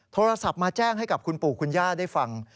โทรศัพท์มาแจ้งให้กับคุณปู่คุณย่าได้ฟัง